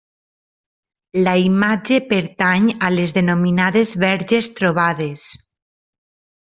La imatge pertany a les denominades verges trobades.